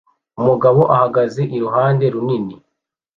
Umugabo ahagaze iruhande runini